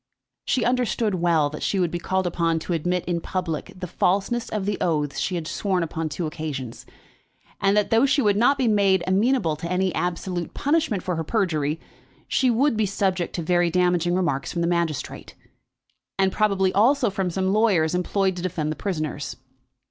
She understood well that she would be called upon to admit in public the falseness of the oaths she had sworn upon two occasions; and that, though she would not be made amenable to any absolute punishment for her perjury, she would be subject to very damaging remarks from the magistrate, and probably also from some lawyers employed to defend the prisoners.